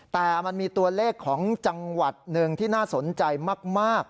แต่มันมีตัวเลขของจังหวัดหนึ่งที่น่าสนใจมาก